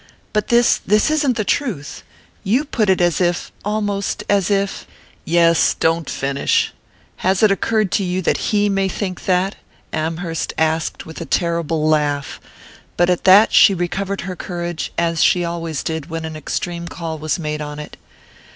"But this this isn't the truth! You put it as if almost as if " "Yes don't finish. Has it occurred to you that he may think that?" Amherst asked with a terrible laugh. But at that she recovered her courage, as she always did when an extreme call was made on it.